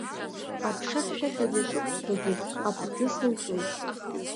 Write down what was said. Аԥша хьшәашәаӡа ишықәсуагьы, аԥхӡы сылҵуеит.